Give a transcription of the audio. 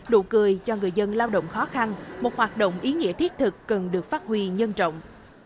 đủ cười cho người dân lao động khó khăn một hoạt động ý nghĩa thiết thực cần được phát huy nhân trọng